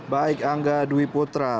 baik angga dwi putra